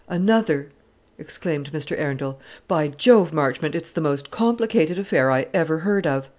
"Another!" exclaimed Mr. Arundel. "By Jove, Marchmont, it's the most complicated affair I ever heard of.